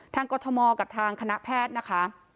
กรทมกับทางคณะแพทย์นะคะ